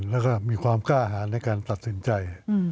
แล้วก็มีความกล้าหาในการตัดสินใจ